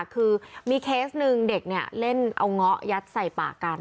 คือมีเคสหนึ่งเด็กเนี่ยเล่นเอาเงาะยัดใส่ปากกัน